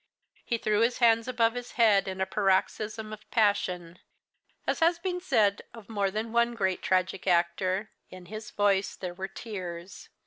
He threw his hands above his head in a paroxysm of passion. As has been said of more than one great tragic actor, in his voice there were tears.